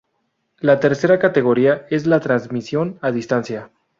La tercera categoría es la transmisión a distancia.